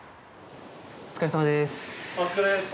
お疲れさまです。